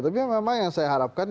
tapi memang yang saya harapkan